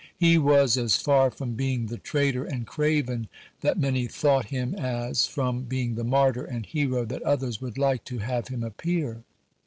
He was as far from being the traitor and craven that many thought him as from being the martyr and hero that others would like to have him appear.